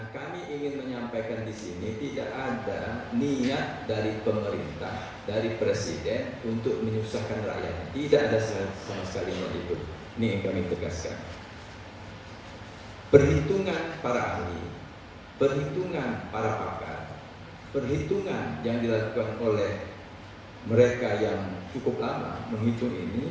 perhitungan para ahli perhitungan para pakar perhitungan yang dilakukan oleh mereka yang cukup lama menghitung ini